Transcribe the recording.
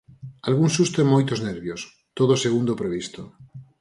Algún susto e moitos nervios, todo segundo o previsto.